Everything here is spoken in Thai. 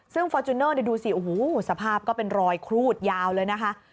ซึ่งฟอร์จูเนอร์ดูสิโอ้โหสภาพก็เป็นรอยครูดยาวเลยนะคะ